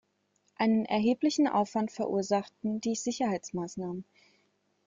Einen erheblichen Aufwand verursachten die Sicherheitsmaßnahmen.